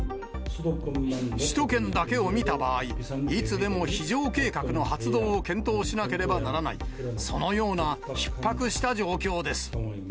首都圏だけを見た場合、いつでも非常計画の発動を検討しなければならない、そのようなひっ迫した状況です。